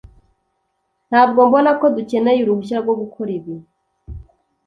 ntabwo mbona ko dukeneye uruhushya rwo gukora ibi